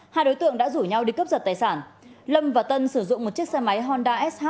hai đối tượng đã rủ nhau đi cướp giật tài sản lâm và tân sử dụng một chiếc xe máy honda sh